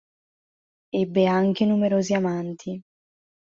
Ebbe anche numerosi amanti.